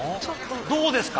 どうですか？